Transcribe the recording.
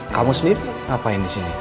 kamu sendiri ngapain disini